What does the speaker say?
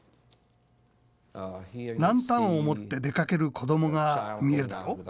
ランタンを持って出かける子どもが見えるだろ？